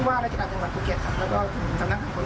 ไม่เคยให้คำตอบตรงนี้ได้เลย